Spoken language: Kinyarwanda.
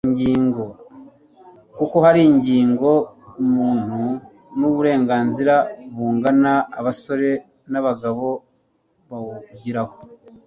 kuko hari ingingo ku mutungo n'uburenganzira bungana abagore n'abagabo bawugiraho